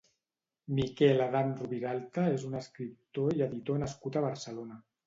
Miquel Adam Rubiralta és un escriptor i editor nascut a Barcelona.